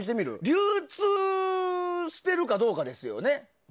流通しているかどうかですよね。